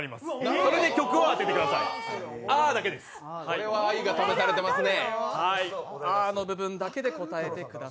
これは愛がためされていますね。